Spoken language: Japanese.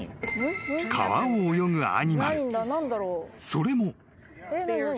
［それも］